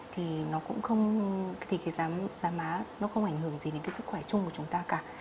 thì nó cũng không thì cái giá má nó không ảnh hưởng gì đến cái sức khỏe chung của chúng ta cả